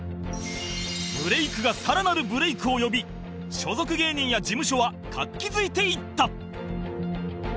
ブレイクが更なるブレイクを呼び所属芸人や事務所は活気づいていった